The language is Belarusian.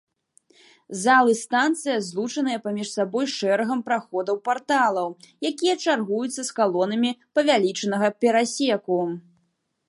Залы станцыі злучаныя паміж сабой шэрагам праходаў-парталаў, якія чаргуюцца з калонамі павялічанага перасеку.